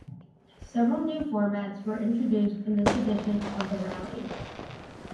Several new formats were introduced in this edition of the rally.